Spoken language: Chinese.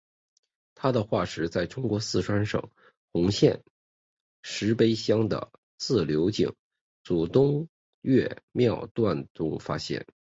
它的化石在中国四川省珙县石碑乡的自流井组东岳庙段中发现。